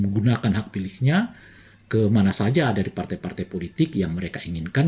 menggunakan hak pilihnya kemana saja dari partai partai politik yang mereka inginkan